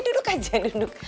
eh duduk aja duduk